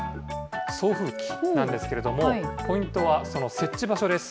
送風機なんですけれども、ポイントは、その設置場所です。